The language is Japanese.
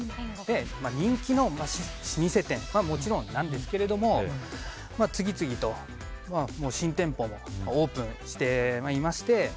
人気の老舗店はもちろんなんですけども次々と新店舗もオープンしていまして